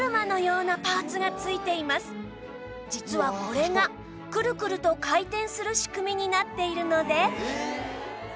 実はこれがくるくると回転する仕組みになっているので